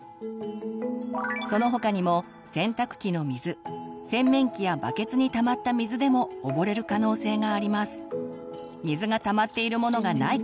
その他にも洗濯機の水洗面器やバケツに溜まった水でも溺れる可能性があります。